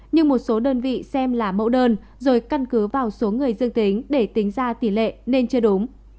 nhưng một số đơn vị xem là mẫu đơn rồi căn cứ vào số người dương tính để tính ra tỷ lệ nên chưa đúng